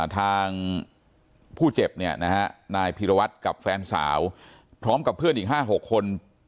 ทางผู้เจ็บนายภิรวัติกับแฟนสาวพร้อมกับเพื่อนอีก๖๕คน